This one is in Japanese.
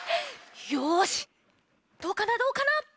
よしどうかなどうかな。